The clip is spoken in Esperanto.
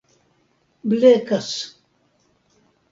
blekas